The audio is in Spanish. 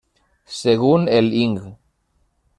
Según el Ing.